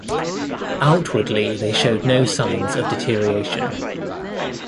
Outwardly they showed no signs of deterioration.